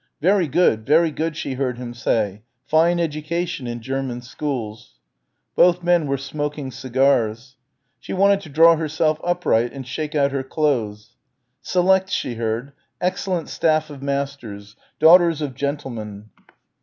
"Very good, very good," she heard him say, "fine education in German schools." Both men were smoking cigars. She wanted to draw herself upright and shake out her clothes. "Select," she heard, "excellent staff of masters ... daughters of gentlemen."